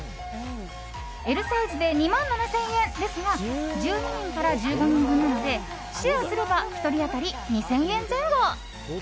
Ｌサイズで２万７０００円ですが１２人から１５人分なのでシェアすれば１人当たり２０００円前後。